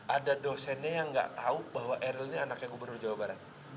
ada dosennya yang nggak tahu bahwa eril ini anaknya gubernur jawa barat